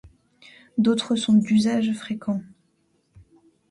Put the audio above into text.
D'autres sont d'usage fréquent.